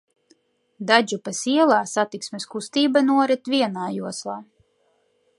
Dadžupes ielā satiksmes kustība norit vienā joslā.